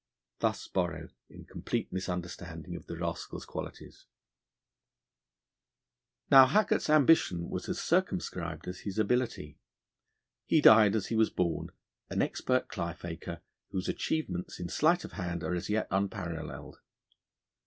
Thus Borrow, in complete misunderstanding of the rascal's qualities. Now, Haggart's ambition was as circumscribed as his ability. He died, as he was born, an expert cly faker, whose achievements in sleight of hand are as yet unparalleled.